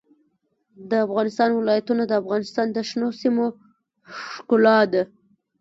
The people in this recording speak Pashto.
د افغانستان ولايتونه د افغانستان د شنو سیمو ښکلا ده.